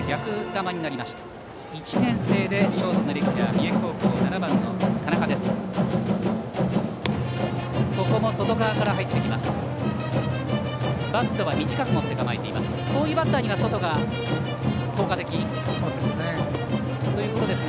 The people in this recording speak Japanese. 打席は、１年生でショートのレギュラー三重高校、７番の田中です。